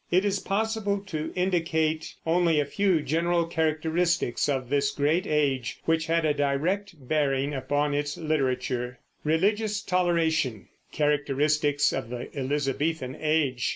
It is possible to indicate only a few general characteristics of this great age which had a direct bearing upon its literature. CHARACTERISTICS OF THE ELIZABETHAN AGE.